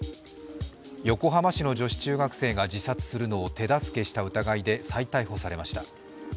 横浜市の女子中学生が自殺するのを手助けした疑いで再逮捕されました。